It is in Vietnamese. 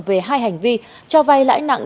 về hai hành vi cho vay lãi nặng